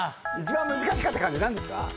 一番難しかった漢字何ですか？